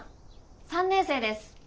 ３年生です。